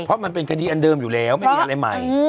เพราะมันเป็นคดีอันเดิมอยู่แล้วไม่มีอะไรใหม่